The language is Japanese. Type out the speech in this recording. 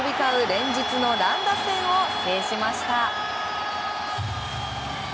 連日の乱打戦を制しました。